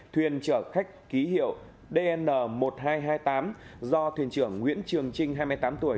thuyền chở khách ký hiệu dn một nghìn hai trăm hai mươi tám do thuyền trưởng nguyễn trường trinh hai mươi tám tuổi